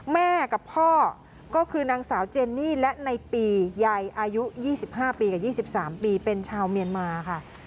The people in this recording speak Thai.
แม่กับพ่อก็คือนางสาวเจนนี่และในปีใยอายุ๒๕ปีกับ๒๓ปีเป็นชาวเมียนมาค่ะ